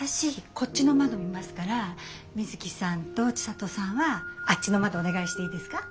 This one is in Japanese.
こっちの窓見ますからみづきさんと千里さんはあっちの窓お願いしていいですか？